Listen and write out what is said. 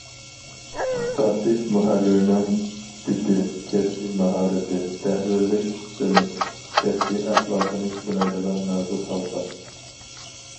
قىسقارتىش مۇھەررىرنىڭ دىتى، كەسپىي ماھارىتى، تەھرىرلىك ئىستىلى، كەسپىي ئەخلاقىنى سىنايدىغان نازۇك ھالقا.